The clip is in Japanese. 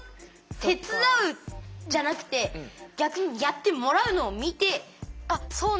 手伝うじゃなくて逆にやってもらうのを見てあっそうなんだ。